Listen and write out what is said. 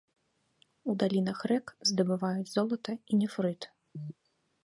У далінах рэк здабываюць золата і нефрыт.